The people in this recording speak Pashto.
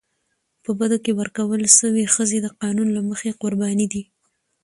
په بدو کي ورکول سوي ښځي د قانون له مخي قرباني دي.